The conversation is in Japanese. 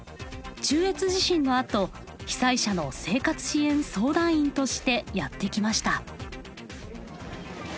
中越地震のあと被災者の生活支援相談員としてやって来ました。